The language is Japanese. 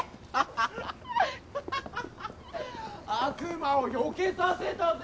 ハハハハ悪魔をよけさせたぜ！